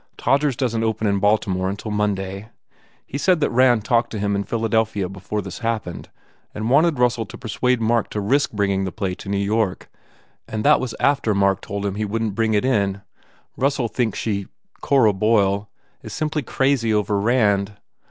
Todgers doesn t open in Baltimore until Monday. He says that Rand talked to him in Philadelphia before this happened and wanted Russell to persuade Mark to risk bringing the play to New York and that was after Mark had told him he wouldn t bring it in. Russell thinks she Cora Boyle is simply crazy over Rand.